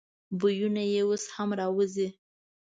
بویونه یې اوس هم راوزي.